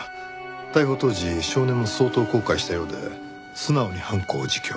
逮捕当時少年も相当後悔したようで素直に犯行を自供。